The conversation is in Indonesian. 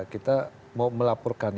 kita mau melaporkan